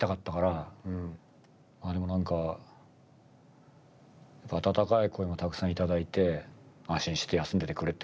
まあでも何か温かい声もたくさん頂いて安心して休んでてくれって。